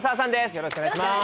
よろしくお願いします